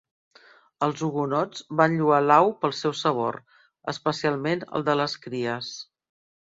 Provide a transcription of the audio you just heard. Els hugonots van lloar l'au pel seu sabor, especialment el de les cries.